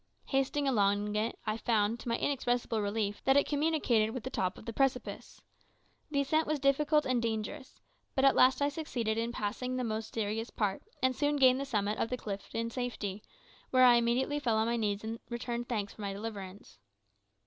Hasting along it, I found, to my inexpressible relief, that it communicated with the top of the precipice. The ascent was difficult and dangerous; but at last I succeeded in passing the most serious part, and soon gained the summit of the cliff in safety, where I immediately fell on my knees and returned thanks for my deliverance.